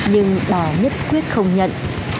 nhưng bà nhất quyết không nhận